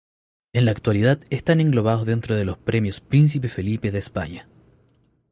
En la actualidad están englobados dentro de los Premios Príncipe Felipe de España.